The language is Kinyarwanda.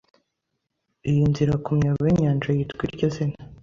Iyi nzira kumyobo yinyanja yitwa iryozina